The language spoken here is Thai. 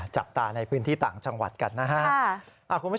จับตาในพื้นที่ต่างจังหวัดกันนะฮะ